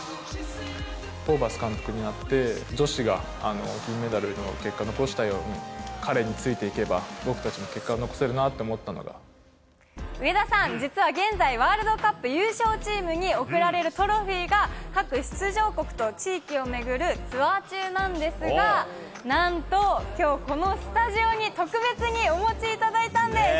ホーバス監督になって、女子が銀メダルの結果を残したように、彼についていけば僕たちも上田さん、実は現在、ワールドカップ優勝チームに贈られるトロフィーが、各出場国と地域を巡るツアー中なんですが、なんときょう、このスタジオに特別にお持ちいただいたんです。